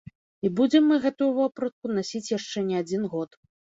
І будзем мы гэтую вопратку насіць яшчэ не адзін год.